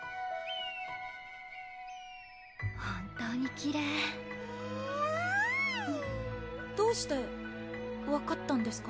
本当にきれいえるぅどうして分かったんですか？